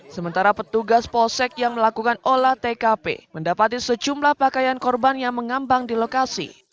sementara petugas polsek yang melakukan olah tkp mendapati sejumlah pakaian korban yang mengambang di lokasi